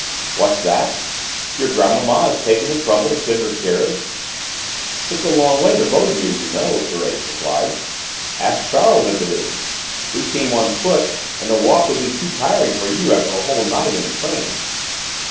"What's that? Your grandmamma has taken the trouble to send her carriage?" "It's a long way to Beaulieu, you know," Thérèse replied. "Ask Charles if it isn't. We came on foot and the walk would be too tiring for you after a whole night in the train."